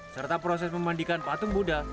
serta proses memandikan patung buddha